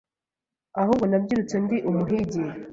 ahubwo nabyirutse ndi umuhigi